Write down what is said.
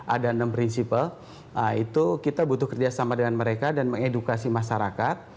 ada enam prinsipal itu kita butuh kerjasama dengan mereka dan mengedukasi masyarakat